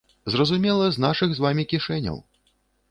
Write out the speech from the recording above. Зразумела, з нашых з вамі кішэняў.